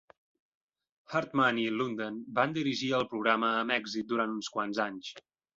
Hartman i Lunden van dirigir el programa amb èxit durant uns quants anys.